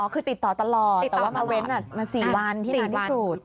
คือติดต่อตลอดแต่ว่ามาเว้นมา๔วันที่นานที่สุด